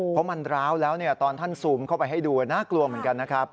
เพราะมันร้าวแล้วตอนท่านซูมเข้าไปให้ดูน่ากลัวเหมือนกันนะครับ